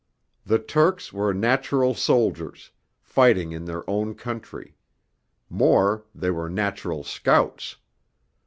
The Turks were natural soldiers, fighting in their own country; more, they were natural scouts.